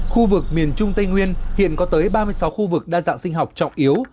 khu vực miền trung tây nguyên hiện có tới ba mươi sáu khu vực đa dạng sinh học trọng yếu